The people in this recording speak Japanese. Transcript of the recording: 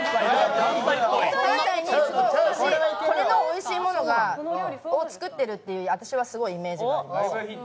これのおいしいものを作ってるっていうイメージが私はあります。